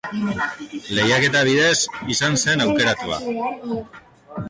Lehiaketa bidez izan zen aukeratua.